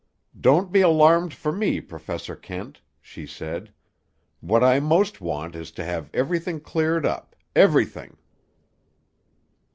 "Don't be alarmed for me, Professor Kent," she said. "What I most want is to have everything cleared up—everything!"